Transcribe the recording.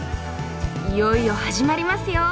いよいよ始まりますよ！